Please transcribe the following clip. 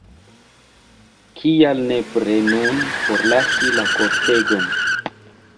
Kial nepre nun forlasi la kortegon?